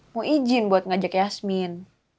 mau izin buat ngajak yasmin